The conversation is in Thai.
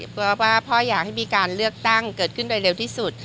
เพราะว่าพ่ออยากให้มีการเลือกตั้งเกิดขึ้นโดยเร็วที่สุด